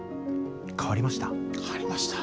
変わりました？